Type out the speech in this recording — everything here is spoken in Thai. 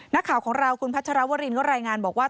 นักข่าวของเราคุณพัชรวรินก็รายงานบอกว่า